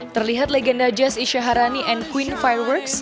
terlihat legenda jazz isya harani and queen fireworks